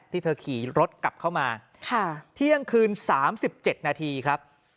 ที่เธอขี่รถกลับเข้ามาเที่ยงคืน๓๗นาทีครับ